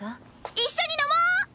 一緒に飲もう！